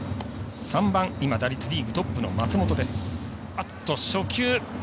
３番今、打率リーグトップの松本。